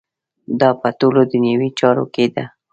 دا په ټولو دنیوي چارو کې ده.